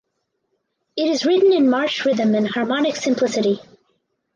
It is written in march rhythm and harmonic simplicity.